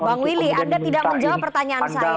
bang willy anda tidak menjawab pertanyaan saya